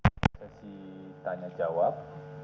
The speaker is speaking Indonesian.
untuk sesi tanya jawab